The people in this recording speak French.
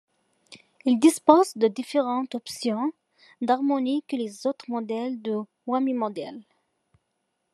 Il dispose de différentes options d'harmonie que les autres modèles de Whammy models.